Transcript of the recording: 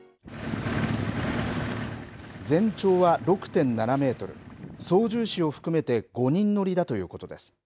全長は６．７メートル、操縦士を含めて５人乗りだということです。